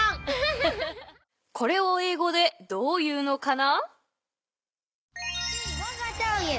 これをえいごでどう言うのかな？